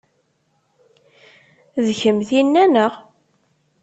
D kemm tinna, neɣ?